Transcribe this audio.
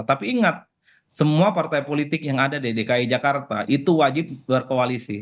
tapi ingat semua partai politik yang ada di dki jakarta itu wajib berkoalisi